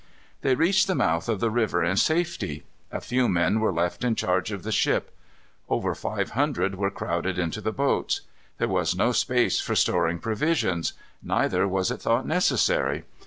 They reached the mouth of the river in safety. A few men were left in charge of the ship. Over five hundred were crowded into the boats. There was no space for storing provisions; neither was it thought necessary.